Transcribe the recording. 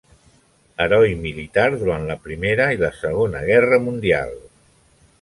Heroi militar durant la Primera i la Segona Guerra Mundial.